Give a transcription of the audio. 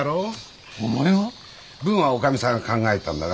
文は女将さんが考えたんだが。